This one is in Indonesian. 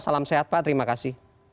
salam sehat pak terima kasih